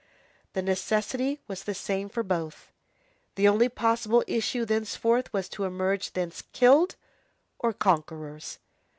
The necessity was the same for both. The only possible issue thenceforth was to emerge thence killed or conquerors.